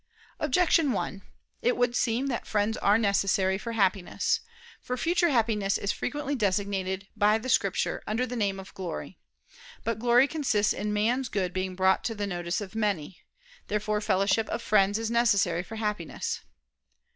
Objection 1: It would seem that friends are necessary for Happiness. For future Happiness is frequently designated by Scripture under the name of "glory." But glory consists in man's good being brought to the notice of many. Therefore the fellowship of friends is necessary for Happiness.